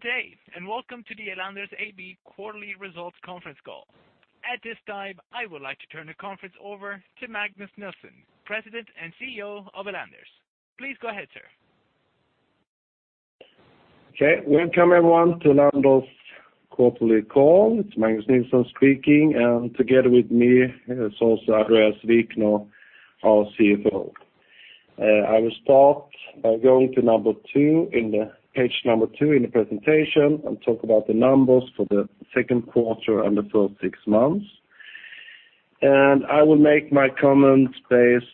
Good day and welcome to the Elanders AB Quarterly Results Conference Call. At this time, I would like to turn the conference over to Magnus Nilsson, President and CEO of Elanders. Please go ahead, sir. Okay. Welcome, everyone, to Elanders Quarterly Call. It's Magnus Nilsson speaking, and together with me is Åsa Vilsson, our CFO. I will start by going to 2, page 2 in the presentation, and talk about the numbers for the second quarter and the first six months. And I will make my comments based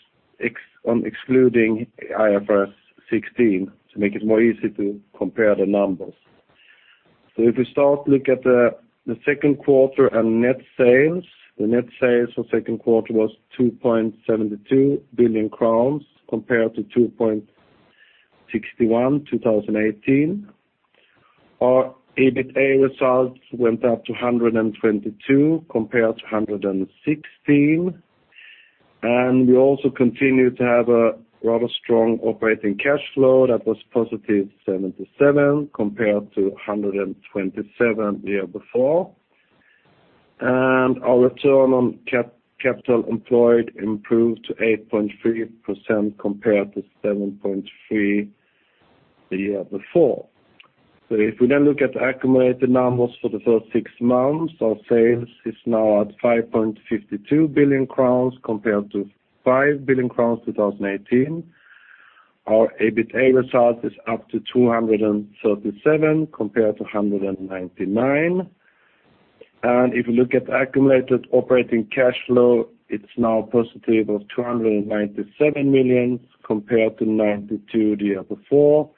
on excluding IFRS 16 to make it more easy to compare the numbers. So if we start, look at the second quarter and net sales. The net sales for second quarter was 2.72 billion crowns compared to 2.61 billion in 2018. Our EBITA results went up to 122 compared to 116, and we also continue to have a rather strong operating cash flow that was positive 77 compared to 127 the year before. And our return on capital employed improved to 8.3% compared to 7.3% the year before. So if we then look at the accumulated numbers for the first six months, our sales is now at 5.52 billion crowns compared to 5 billion crowns in 2018. Our EBITA results is up to 237 compared to 199. If we look at accumulated operating cash flow, it's now positive of 297 million compared to 92 million the year before,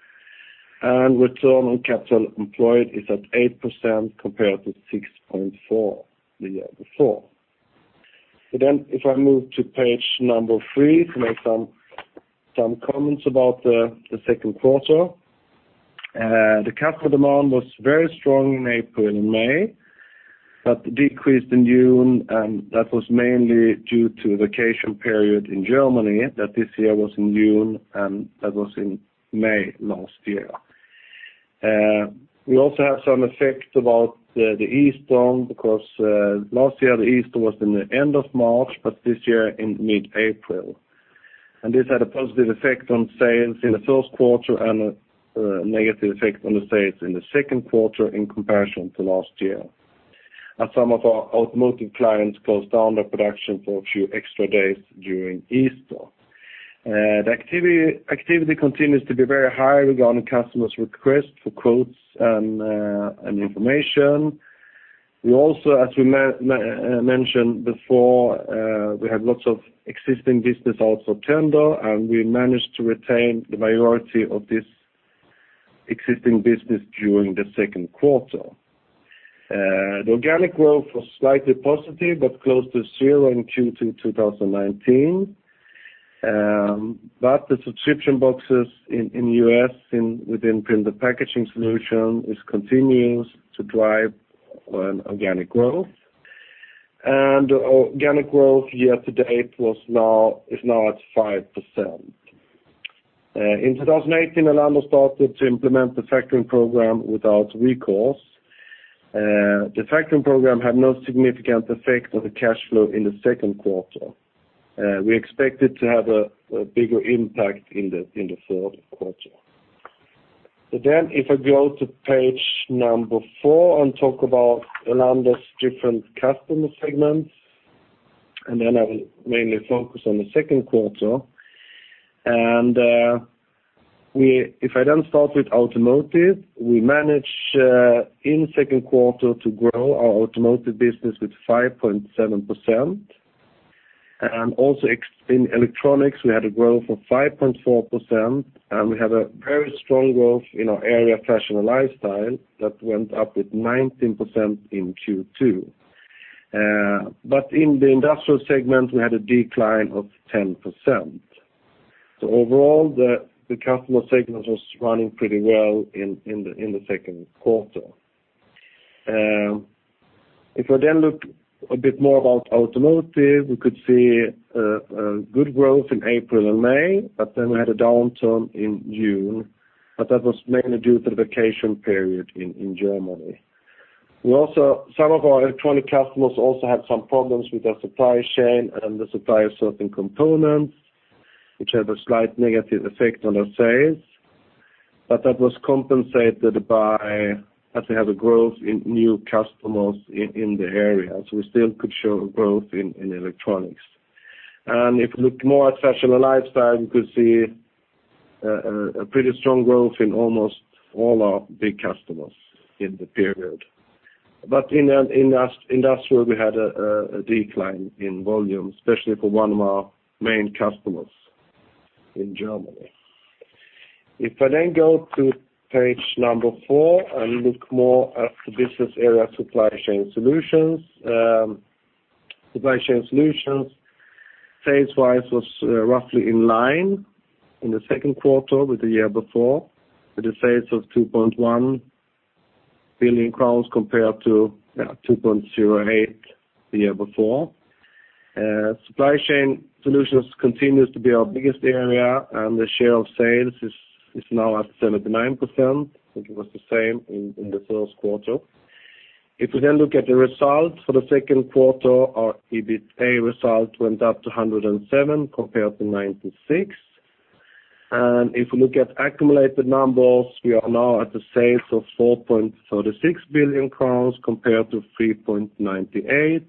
and return on capital employed is at 8% compared to 6.4% the year before. If I move to page number three to make some comments about the second quarter, the customer demand was very strong in April and May but decreased in June, and that was mainly due to the vacation period in Germany, that this year was in June and that was in May last year. We also have some effect about the Easter because last year the Easter was in the end of March but this year in mid-April. This had a positive effect on sales in the first quarter and a negative effect on the sales in the second quarter in comparison to last year, as some of our Automotive clients closed down their production for a few extra days during Easter. The activity continues to be very high regarding customers' requests for quotes and information. We also, as we mentioned before, we have lots of existing business out for tender, and we managed to retain the majority of this existing business during the second quarter. The organic growth was slightly positive but close to zero in Q2 2019, but the subscription boxes in the US within Print & Packaging Solutions continues to drive organic growth. The organic growth year to date is now at 5%. In 2018, Elanders started to implement the factoring program without recalls. The factoring program had no significant effect on the cash flow in the second quarter. We expected to have a bigger impact in the third quarter. So then if I go to page 4 and talk about Elanders' different customer segments, and then I will mainly focus on the second quarter. If I then start with automotive, we managed in second quarter to grow our automotive business with 5.7%. Also in Electronics, we had a growth of 5.4%, and we had a very strong growth in our area Fashion & Lifestyle that went up with 19% in Q2. In the Industrial segment, we had a decline of 10%. Overall, the customer segment was running pretty well in the second quarter. If I then look a bit more about automotive, we could see good growth in April and May, but then we had a downturn in June, but that was mainly due to the vacation period in Germany. Some of our electronic customers also had some problems with our supply chain and the supply of certain components, which had a slight negative effect on our sales, but that was compensated as we had a growth in new customers in the area. So we still could show growth in electronics. And if we look more at fashion and lifestyle, we could see a pretty strong growth in almost all our big customers in the period. But in industrial, we had a decline in volume, especially for one of our main customers in Germany. If I then go to page 4 and look more at the business area Supply Chain Solutions, Supply Chain Solutions, sales-wise was roughly in line in the second quarter with the year before with the sales of 2.1 billion crowns compared to 2.08 billion the year before. Supply Chain Solutions continues to be our biggest area, and the share of sales is now at 79%. I think it was the same in the first quarter. If we then look at the results for the second quarter, our EBITA results went up to 107 compared to 96. If we look at accumulated numbers, we are now at the sales of 4.36 billion crowns compared to 3.98 billion,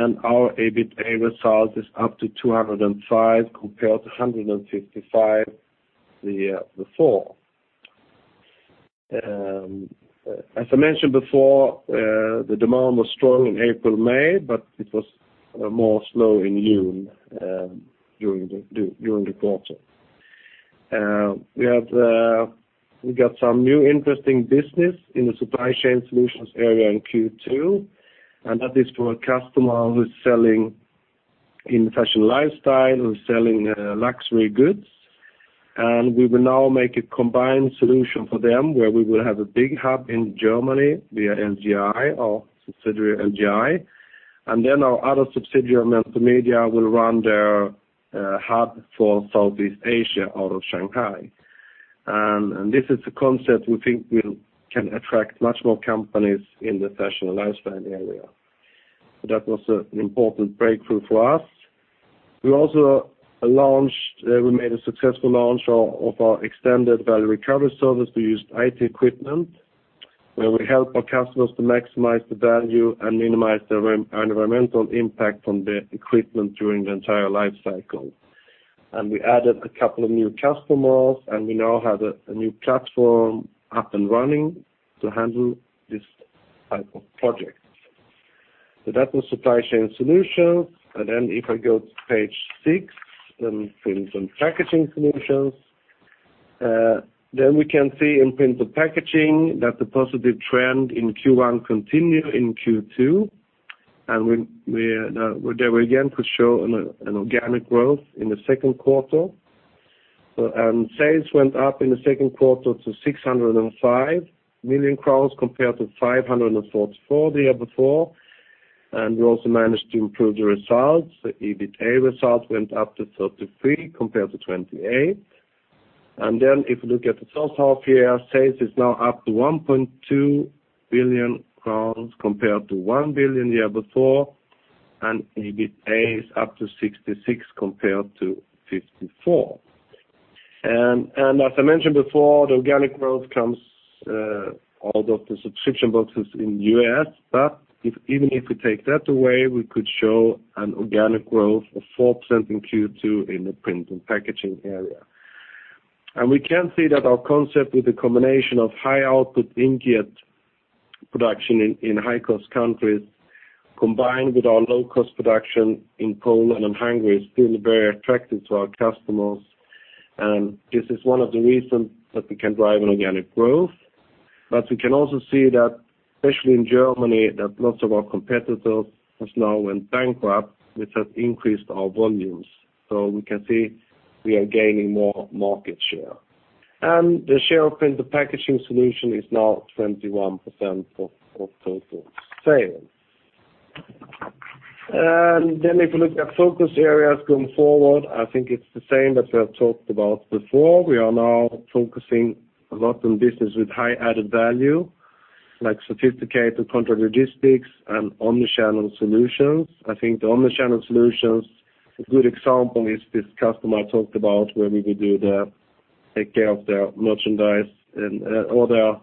and our EBITA result is up to 205 compared to 155 the year before. As I mentioned before, the demand was strong in April, May, but it was more slow in June during the quarter. We got some new interesting business in the supply chain solutions area in Q2, and that is for a customer who's selling in fashion and lifestyle, who's selling luxury goods. We will now make a combined solution for them where we will have a big hub in Germany via LGI, our subsidiary LGI, and then our other subsidiary, Mentor Media, will run their hub for Southeast Asia out of Shanghai. This is a concept we think can attract much more companies in the Fashion & Lifestyle area. That was an important breakthrough for us. We also launched we made a successful launch of our extended Value Recovery Service. We used IT equipment where we help our customers to maximize the value and minimize their environmental impact from the equipment during the entire lifecycle. And we added a couple of new customers, and we now have a new platform up and running to handle this type of project. So that was Supply Chain Solutions. And then if I go to page six in Print & Packaging Solutions, then we can see in Print & Packaging that the positive trend in Q1 continued in Q2, and there we again could show an organic growth in the second quarter. And sales went up in the second quarter to 605 million crowns compared to 544 million the year before. And we also managed to improve the results. The EBITA result went up to 33 million compared to 28 million. Then if we look at the first half year, sales is now up to 1.2 billion crowns compared to 1 billion the year before, and EBITA is up to 66 compared to 54. And as I mentioned before, the organic growth comes out of the subscription boxes in the US, but even if we take that away, we could show an organic growth of 4% in Q2 in the Print & Packaging area. And we can see that our concept with the combination of high output inkjet production in high-cost countries combined with our low-cost production in Poland and Hungary is still very attractive to our customers. And this is one of the reasons that we can drive an organic growth. But we can also see that, especially in Germany, that lots of our competitors have now went bankrupt, which has increased our volumes. So we can see we are gaining more market share. The share of Print & Packaging Solutions is now 21% of total sales. Then if we look at focus areas going forward, I think it's the same that we have talked about before. We are now focusing a lot on business with high added value like sophisticated contract logistics and omnichannel solutions. I think the omnichannel solutions a good example is this customer I talked about where we would take care of their merchandise and all their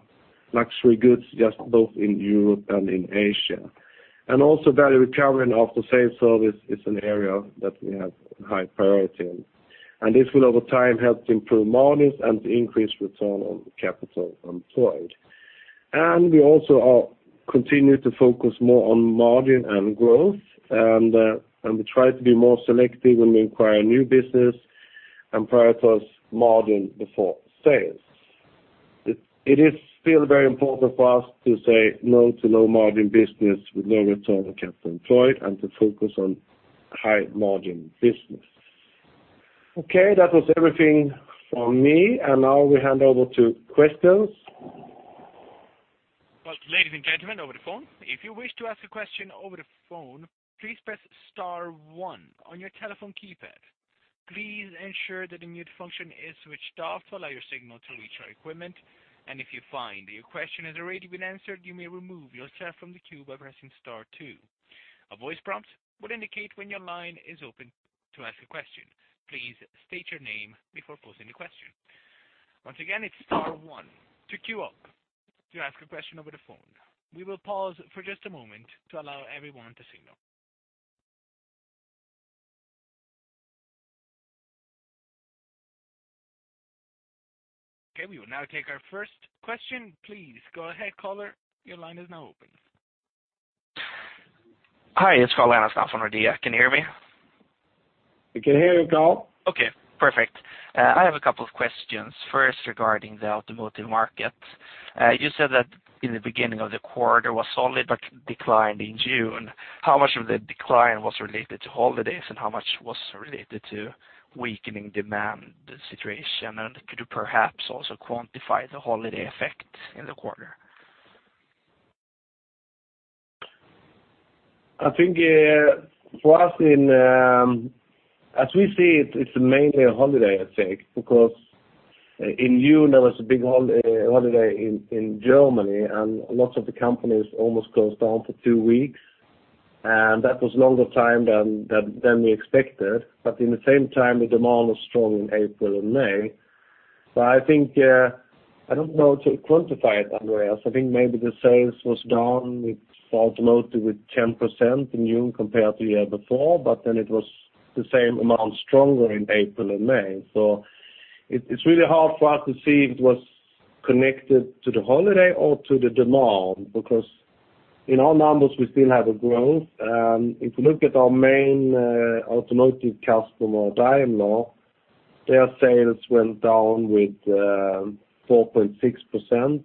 luxury goods just both in Europe and in Asia. Also value recovery and after-sales service is an area that we have high priority in. And this will, over time, help to improve margins and to increase return on capital employed. We also continue to focus more on margin and growth, and we try to be more selective when we acquire new business and prioritize margin before sales. It is still very important for us to say no to low-margin business with low Return on Capital Employed and to focus on high-margin business. Okay. That was everything from me, and now we hand over to questions. Well, ladies and gentlemen over the phone, if you wish to ask a question over the phone, please press star one on your telephone keypad. Please ensure that the mute function is switched off to allow your signal to reach our equipment. If you find that your question has already been answered, you may remove yourself from the queue by pressing star two. A voice prompt will indicate when your line is open to ask a question. Please state your name before posing the question. Once again, it's star one to queue up to ask a question over the phone. We will pause for just a moment to allow everyone to signal. Okay. We will now take our first question. Please go ahead, caller. Your line is now open. Hi. It's Carl Ragnerstam. Can you hear me? We can hear you, Carl. Okay. Perfect. I have a couple of questions. First, regarding the automotive market, you said that in the beginning of the quarter was solid but declined in June. How much of the decline was related to holidays, and how much was related to weakening demand situation? And could you perhaps also quantify the holiday effect in the quarter? I think for us, as we see it, it's mainly a holiday, I think, because in June, there was a big holiday in Germany, and lots of the companies almost closed down for two weeks. That was longer time than we expected, but in the same time, the demand was strong in April and May. I don't know to quantify it, Andréas. I think maybe the sales was down for automotive with 10% in June compared to the year before, but then it was the same amount stronger in April and May. It's really hard for us to see if it was connected to the holiday or to the demand because in our numbers, we still have a growth. If you look at our main automotive customer, Daimler, their sales went down with 4.6%.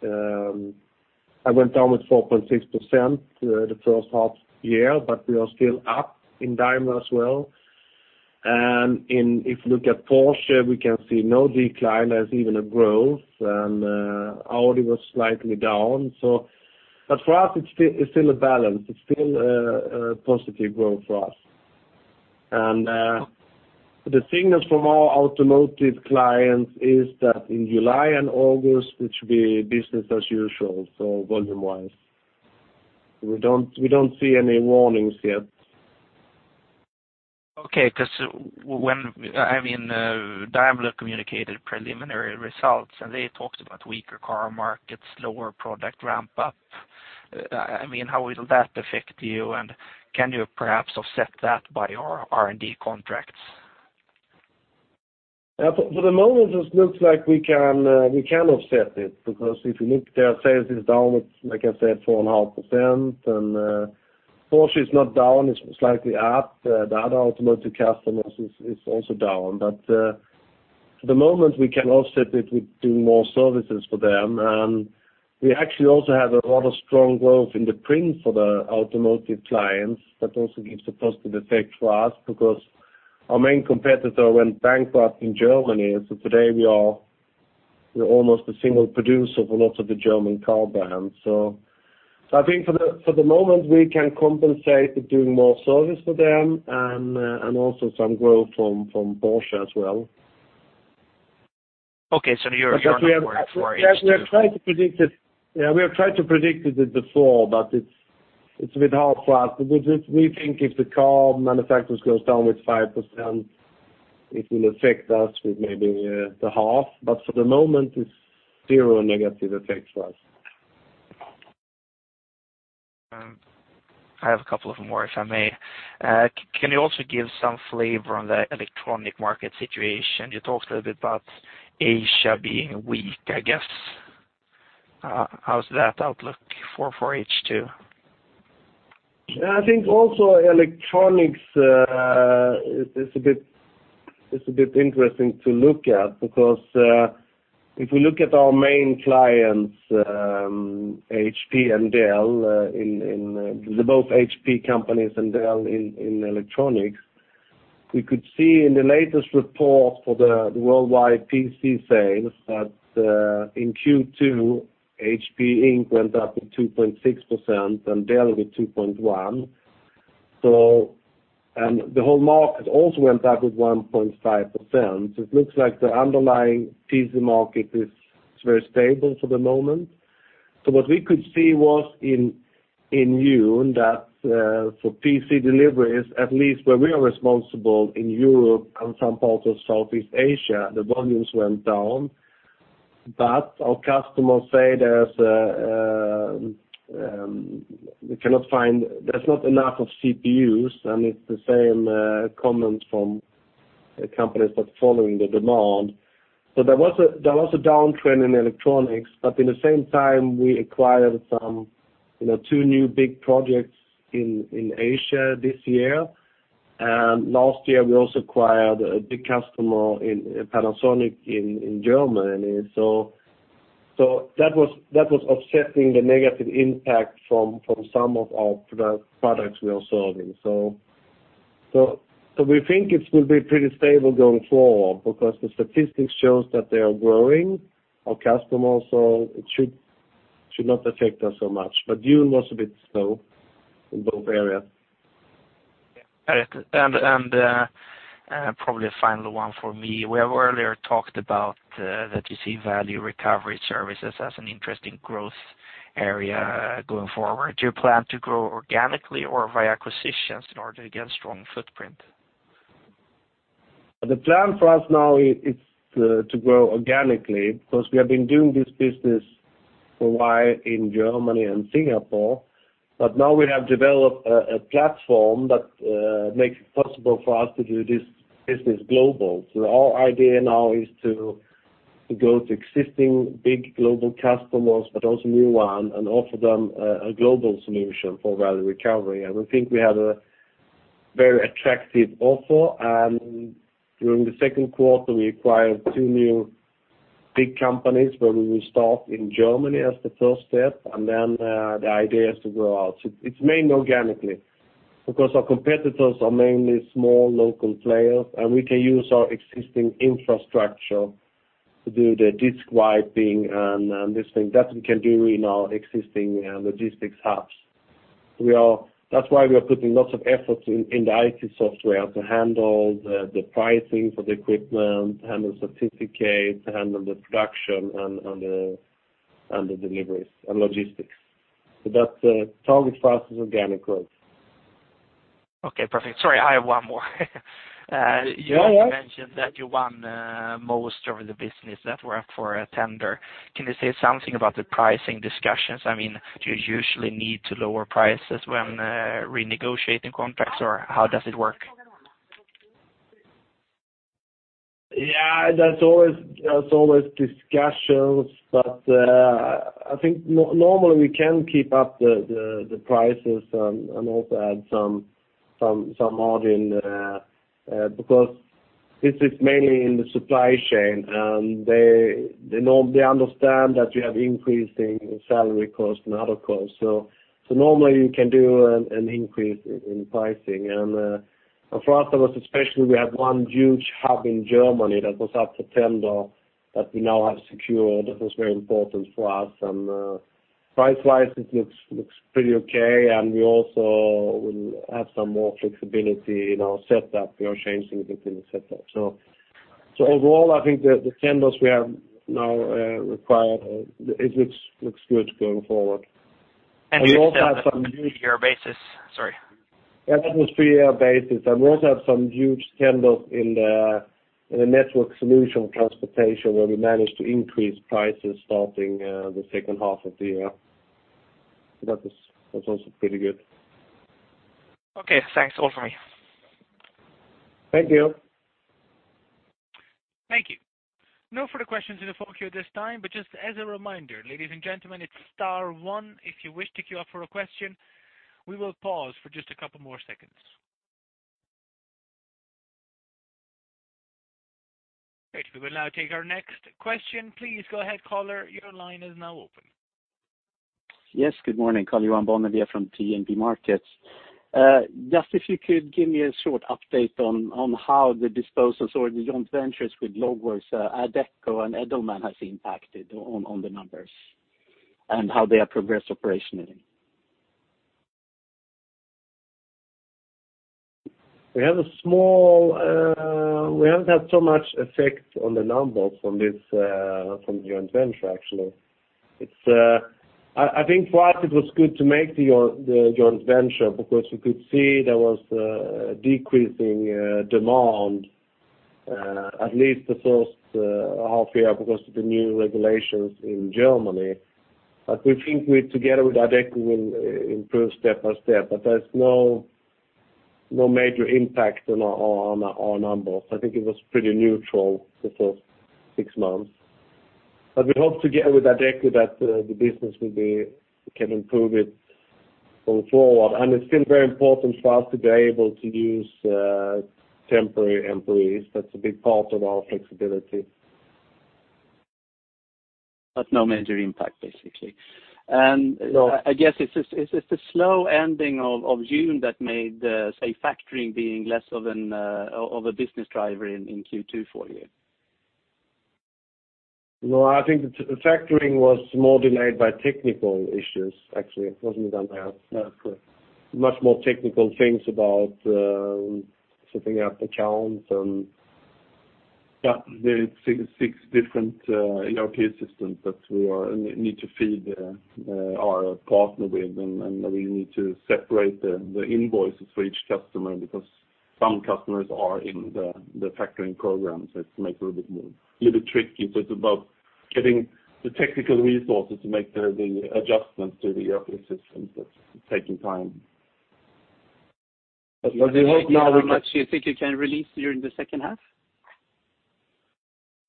They went down with 4.6% the first half year, but we are still up in Daimler as well. If you look at Porsche, we can see no decline. There's even a growth. Audi was slightly down. For us, it's still a balance. It's still a positive growth for us. The signals from our automotive clients is that in July and August, it should be business as usual volume-wise. We don't see any warnings yet. Okay. I mean, Daimler communicated preliminary results, and they talked about weaker car markets, lower product ramp-up. I mean, how will that affect you, and can you perhaps offset that by your R&D contracts? For the moment, it looks like we can offset it because if you look, their sales is down with, like I said, 4.5%. And Porsche is not down. It's slightly up. The other automotive customers is also down. But for the moment, we can offset it with doing more services for them. And we actually also have a lot of strong growth in the print for the automotive clients. That also gives a positive effect for us because our main competitor went bankrupt in Germany. So today, we are almost a single producer for lots of the German car brands. So I think for the moment, we can compensate with doing more service for them and also some growth from Porsche as well. Okay. So you're on board for H2. We have tried to predict it yeah. We have tried to predict it before, but it's a bit hard for us. We think if the car manufacturers go down with 5%, it will affect us with maybe the half. But for the moment, it's zero negative effect for us. I have a couple of them more, if I may. Can you also give some flavor on the electronic market situation? You talked a little bit about Asia being weak, I guess. How's that outlook for H2? I think also electronics is a bit interesting to look at because if we look at our main clients, HP Inc. and Dell Inc., they're both HP companies and Dell in electronics, we could see in the latest report for the worldwide PC sales that in Q2, HP Inc. went up with 2.6% and Dell with 2.1%. And the whole market also went up with 1.5%. So it looks like the underlying PC market is very stable for the moment. So what we could see was in June that for PC deliveries, at least where we are responsible in Europe and some parts of Southeast Asia, the volumes went down. But our customers say there's a we cannot find there's not enough of CPUs, and it's the same comments from companies that are following the demand. So there was a downtrend in electronics, but in the same time, we acquired two new big projects in Asia this year. And last year, we also acquired a big customer in Panasonic in Germany. So that was offsetting the negative impact from some of our products we are serving. So we think it will be pretty stable going forward because the statistics shows that they are growing, our customers. So it should not affect us so much. But June was a bit slow in both areas. Got it. Probably a final one for me. We have earlier talked about that you see Value Recovery Services as an interesting growth area going forward. Do you plan to grow organically or via acquisitions in order to get a strong footprint? The plan for us now is to grow organically because we have been doing this business for a while in Germany and Singapore. But now we have developed a platform that makes it possible for us to do this business global. So our idea now is to go to existing big global customers but also new ones and offer them a global solution for value recovery. And we think we had a very attractive offer. And during the second quarter, we acquired two new big companies where we will start in Germany as the first step, and then the idea is to grow out. It's mainly organically because our competitors are mainly small local players, and we can use our existing infrastructure to do the disk wiping and this thing that we can do in our existing logistics hubs. That's why we are putting lots of effort in the IT software to handle the pricing for the equipment, handle the certificates, handle the production, and the deliveries and logistics. So that target for us is organic growth. Okay. Perfect. Sorry. I have one more. You mentioned that you won most over the business network for a tender. Can you say something about the pricing discussions? I mean, do you usually need to lower prices when renegotiating contracts, or how does it work? Yeah. That's always discussions. But I think normally, we can keep up the prices and also add some margin because this is mainly in the supply chain. And they understand that you have increasing salary costs and other costs. So normally, you can do an increase in pricing. And for us, especially, we had one huge hub in Germany that was up for tender that we now have secured. That was very important for us. And price-wise, it looks pretty okay. And we also will have some more flexibility in our setup. We are changing a bit in the setup. So overall, I think the tenders we have now acquired look good going forward. And we also have some huge. This is on a three-year basis? Sorry. Yeah. That was three-year basis. And we also have some huge tenders in the network solution transportation where we managed to increase prices starting the second half of the year. So that's also pretty good. Okay. Thanks. All from me. Thank you. Thank you. No further questions in the queue at this time. But just as a reminder, ladies and gentlemen, it's star one. If you wish to queue up for a question, we will pause for just a couple more seconds. Great. We will now take our next question. Please go ahead, caller. Your line is now open. Yes. Good morning, Karl-Johan Bonnevier from DNB Markets. Just if you could give me a short update on how the disposals or the joint ventures with LogWorks, Adecco, and Elanders have impacted on the numbers and how they have progressed operationally. We haven't had so much effect on the numbers from the joint venture, actually. I think for us, it was good to make the joint venture because we could see there was decreasing demand, at least the first half year because of the new regulations in Germany. We think together with Adecco, we'll improve step by step. There's no major impact on our numbers. I think it was pretty neutral the first six months. We hope together with Adecco that the business can improve it going forward. It's still very important for us to be able to use temporary employees. That's a big part of our flexibility. That's no major impact, basically. I guess is it the slow ending of June that made factoring being less of a business driver in Q2 for you? No. I think the factoring was more delayed by technical issues, actually. It wasn't that bad. Much more technical things about setting up accounts and yeah. There are six different ERP systems that we need to feed our partner with, and we need to separate the invoices for each customer because some customers are in the factoring program. So it makes it a little bit more a little bit tricky. So it's about getting the technical resources to make the adjustments to the ERP systems. That's taking time. But we hope now we can. Do you think you can release during the second half?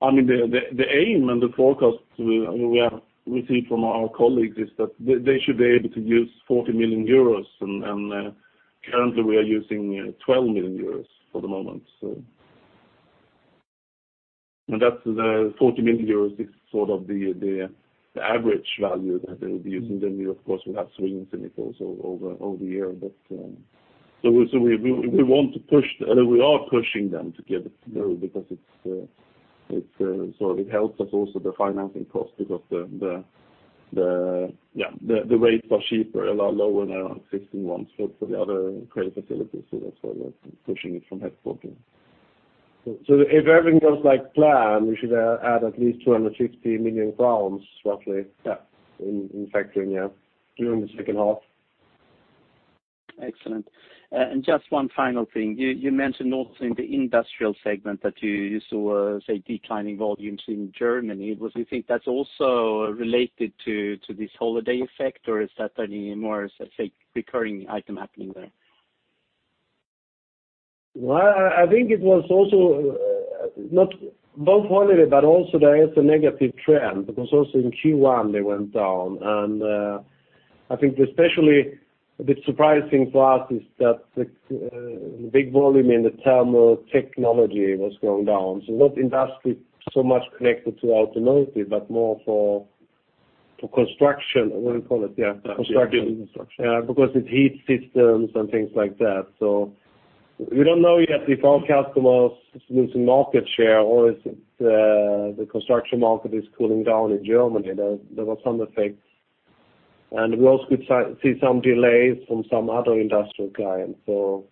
I mean, the aim and the forecast we have received from our colleagues is that they should be able to use 40 million euros. And currently, we are using 12 million euros for the moment. And 40 million euros is sort of the average value that they would be using. Then, of course, we'll have swings in it also over the year. So we want to push we are pushing them to get it through because it sort of helps us also, the financing cost, because the yeah. The rates are cheaper, a lot lower than our existing ones for the other credit facilities. So that's why we're pushing it from headquarters. So if everything goes like planned, we should add at least 250 million crowns, roughly, in factoring, yeah, during the second half. Excellent. And just one final thing. You mentioned also in the industrial segment that you saw, say, declining volumes in Germany. Do you think that's also related to this holiday effect, or is that anymore, say, recurring item happening there? Well, I think it was also both holiday, but also there is a negative trend because also in Q1, they went down. And I think especially a bit surprising for us is that the big volume in the thermal technology was going down. So not industry so much connected to automotive but more for construction. What do you call it? Yeah. Construction. Yeah. Building and construction. Yeah. Because it's heat systems and things like that. So we don't know yet if our customer's losing market share or if the construction market is cooling down in Germany. There was some effect. And we also could see some delays from some other industrial clients. So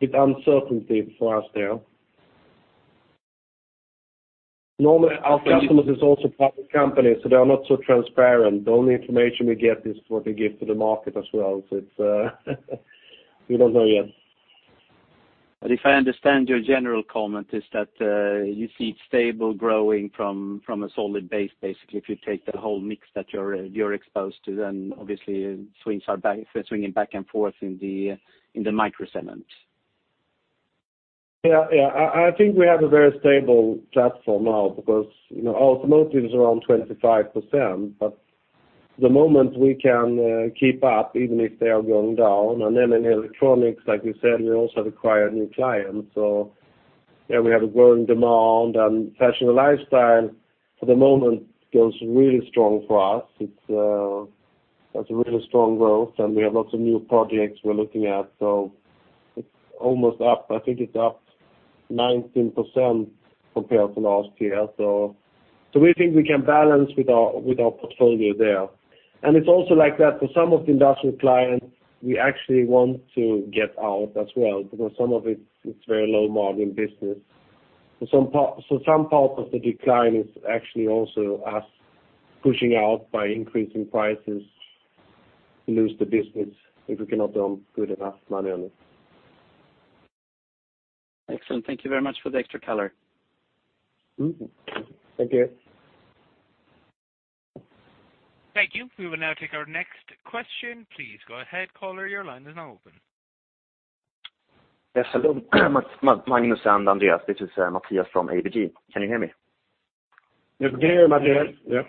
a bit uncertainty for us there. Our customers are also private companies, so they are not so transparent. The only information we get is what they give to the market as well. So we don't know yet. If I understand your general comment, is that you see it stable, growing from a solid base, basically? If you take the whole mix that you're exposed to, then obviously, swings are swinging back and forth in the microsegment. Yeah. Yeah. I think we have a very stable platform now because our automotive is around 25%. But at the moment, we can keep up even if they are going down. And then in electronics, like we said, we also have acquired new clients. So yeah. We have a growing demand. And fashion and lifestyle, for the moment, goes really strong for us. That's a really strong growth. And we have lots of new projects we're looking at. So it's almost up. I think it's up 19% compared to last year. So we think we can balance with our portfolio there. And it's also like that for some of the industrial clients, we actually want to get out as well because some of it's very low-margin business. Some part of the decline is actually also us pushing out by increasing prices to lose the business if we cannot earn good enough money on it. Excellent. Thank you very much for the extra color. Thank you. Thank you. We will now take our next question. Please go ahead, caller. Your line is now open. Yes. Hello. Magnus Nilsson, Andréas. This is Mattias from DNB Markets. Can you hear me? Yep. We can hear you, Mattias. Yeah.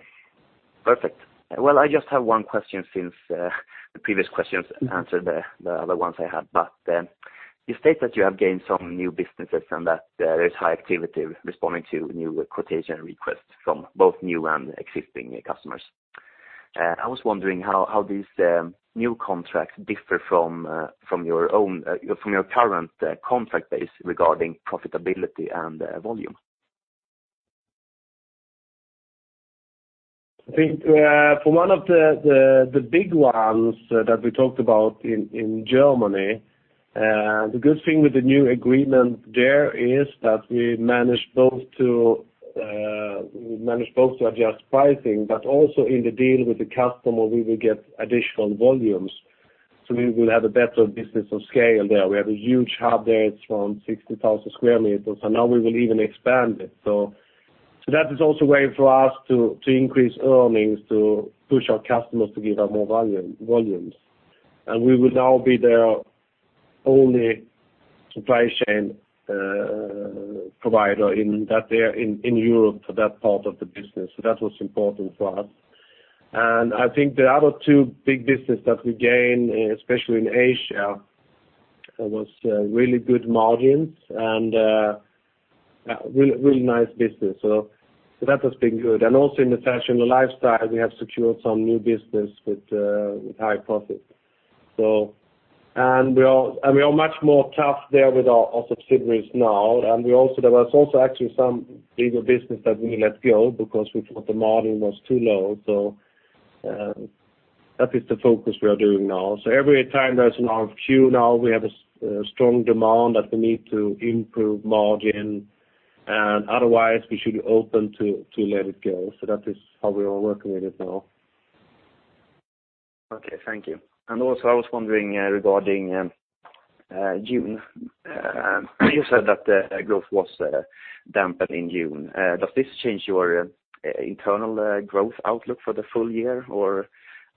Perfect. Well, I just have one question since the previous questions answered the other ones I had. But you state that you have gained some new businesses and that there is high activity responding to new quotation requests from both new and existing customers. I was wondering how these new contracts differ from your current contract base regarding profitability and volume? I think for one of the big ones that we talked about in Germany, the good thing with the new agreement there is that we managed both to adjust pricing. But also in the deal with the customer, we will get additional volumes. So we will have a better business of scale there. We have a huge hub there. It's around 60,000 square meters. And now, we will even expand it. So that is also a way for us to increase earnings, to push our customers to give us more volumes. And we will now be their only supply chain provider in Europe for that part of the business. So that was important for us. And I think the other two big business that we gained, especially in Asia, was really good margins and really nice business. So that has been good. And also in the fashion and lifestyle, we have secured some new business with high profits. We are much more tough there with our subsidiaries now. There was also actually some bigger business that we let go because we thought the margin was too low. That is the focus we are doing now. Every time there's an RFQ now, we have a strong demand that we need to improve margin. Otherwise, we should be open to let it go. That is how we are working with it now. Okay. Thank you. And also, I was wondering regarding June. You said that growth was dampened in June. Does this change your internal growth outlook for the full year, or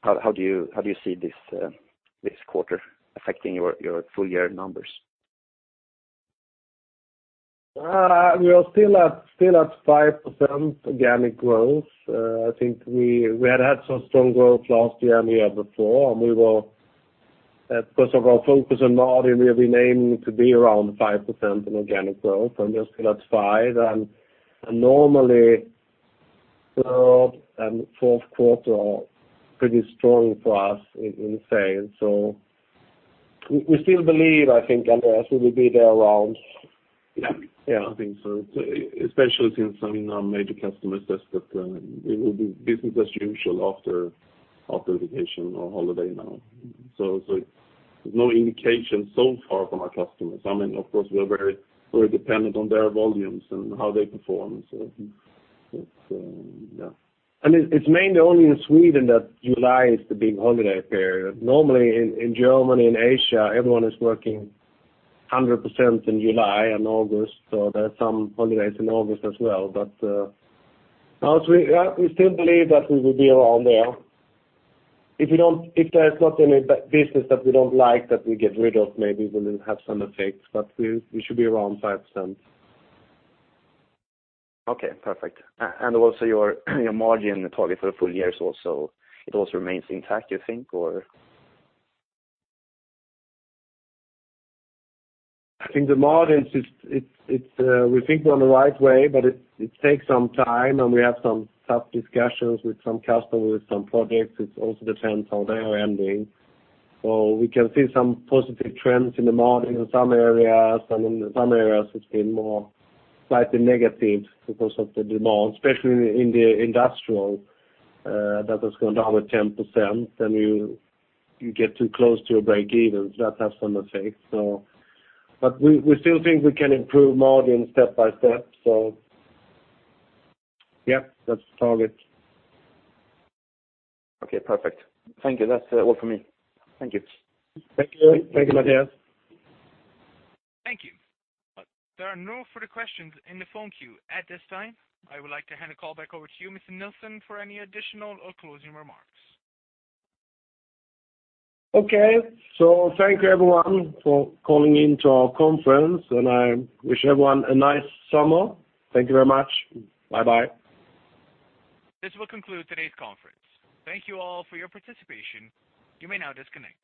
how do you see this quarter affecting your full-year numbers? We are still at 5% organic growth. I think we had had so strong growth last year and the year before. And because of our focus on margin, we have been aiming to be around 5% in organic growth. And we are still at 5%. And normally, third and fourth quarter are pretty strong for us in sales. So we still believe, I think, Andreas, we will be there around. Yeah. I think so, especially since some major customers said that it will be business as usual after vacation or holiday now. So there's no indication so far from our customers. I mean, of course, we are very dependent on their volumes and how they perform. So yeah. It's mainly only in Sweden that July is the big holiday period. Normally, in Germany, in Asia, everyone is working 100% in July and August. So there are some holidays in August as well. But yeah. We still believe that we will be around there. If there's not any business that we don't like that we get rid of, maybe we will have some effect. But we should be around 5%. Okay. Perfect. And also, your margin target for the full year is also it also remains intact, you think, or? I think the margins. We think we're on the right way. It takes some time. We have some tough discussions with some customers, with some projects. It also depends how they are ending. We can see some positive trends in the margin in some areas. In some areas, it's been more slightly negative because of the demand, especially in the industrial that has gone down with 10%. Then you get too close to your break-even. That has some effect. We still think we can improve margin step by step. Yeah. That's the target. Okay. Perfect. Thank you. That's all from me. Thank you. Thank you. Thank you, Mattias. Thank you. There are no further questions in the queue at this time. I would like to hand it back over to you, Mr. Nilsson, for any additional or closing remarks. Okay. Thank you, everyone, for calling into our conference. I wish everyone a nice summer. Thank you very much. Bye-bye. This will conclude today's conference. Thank you all for your participation. You may now disconnect.